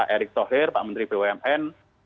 pak erick thohir pak menteri pwmn